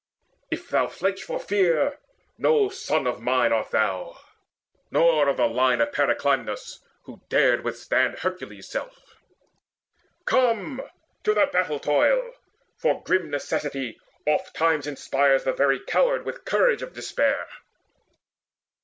If thou flinch for fear, No son of mine art thou, nor of the line Of Periclymenus, who dared withstand Hercules' self. Come, to the battle toil! For grim necessity oftentimes inspires The very coward with courage of despair."